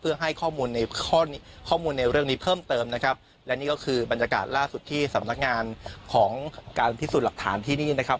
เพื่อให้ข้อมูลในข้อข้อมูลในเรื่องนี้เพิ่มเติมนะครับและนี่ก็คือบรรยากาศล่าสุดที่สำนักงานของการพิสูจน์หลักฐานที่นี่นะครับ